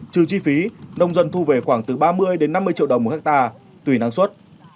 trừ chi phí nông dân thu về khoảng từ ba mươi năm mươi triệu đồng một hectare tùy năng suất